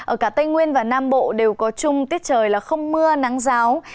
ở cả tây nguyên và nam bộ đều có chung tiết trời là không mưa nắng giáo